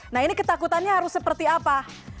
nah ini ketakutannya harus seperti apa